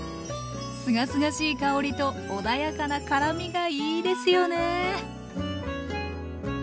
すがすがしい香りと穏やかな辛みがいいですよね